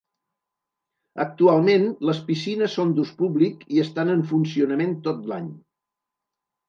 Actualment les piscines són d'ús públic i estan en funcionament tot l'any.